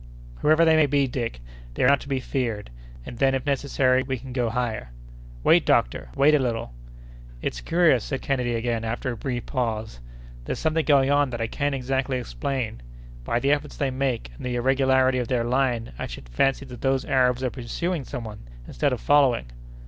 "Whoever they may be, Dick, they are not to be feared, and then, if necessary, we can go higher." "Wait, doctor—wait a little!" "It's curious," said Kennedy again, after a brief pause, "but there's something going on that I can't exactly explain. By the efforts they make, and the irregularity of their line, I should fancy that those Arabs are pursuing some one, instead of following."